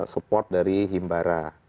support dari himbara